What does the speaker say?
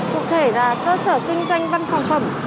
cụ thể là cơ sở kinh doanh văn phòng phẩm